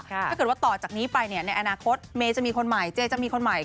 ถ้าเกิดว่าต่อจากนี้ไปในอนาคตเมย์จะมีคนใหม่เจจะมีคนใหม่